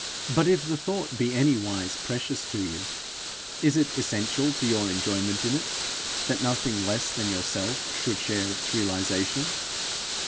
But if the thought be anywise precious to you, is it essential to your enjoyment in it, that nothing less than yourself should share its realization?